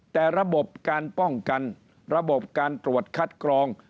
แต่ระบบการป้องกันระบบการตรวจคัดกรอง